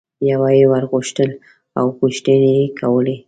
یوه یي ور غوښتل او پوښتنې یې کولې.